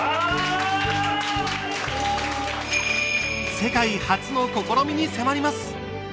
世界初の試みに迫ります。